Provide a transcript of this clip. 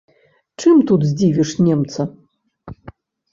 Чым тут здзівіш немца?